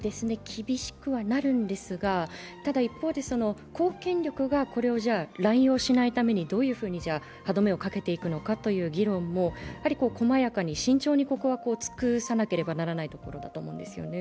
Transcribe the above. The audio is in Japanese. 厳しくはなるんですが、ただ一方で、公権力がこれを濫用しないためにどういうふうに歯止めをかけていくのかという議論も細やかに慎重に尽くさなければならないところだと思うんですね。